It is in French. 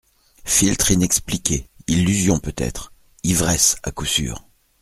Philtre inexpliqué … illusion peut-être … ivresse, à coup sûr.